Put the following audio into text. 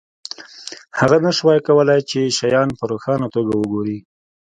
هغه نشوای کولی چې شیان په روښانه توګه وګوري